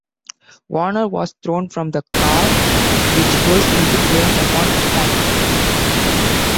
Warner was thrown from the car, which burst into flames upon impact.